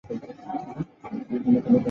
母宣氏。